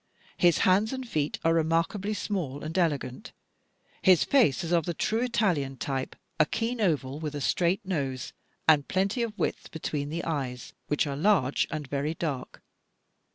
His hands and feet are remarkably small and elegant. His face is of the true Italian type, a keen oval with a straight nose, and plenty of width between the eyes, which are large and very dark.